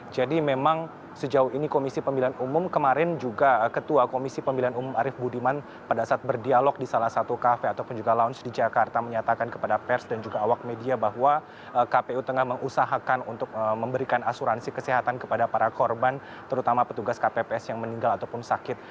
jadi memang sejauh ini komisi pemilihan umum kemarin juga ketua komisi pemilihan umum arief budiman pada saat berdialog di salah satu cafe ataupun juga lounge di jakarta menyatakan kepada pers dan juga awak media bahwa kpu tengah mengusahakan untuk memberikan asuransi kesehatan kepada para korban terutama petugas kpps yang meninggal ataupun sakit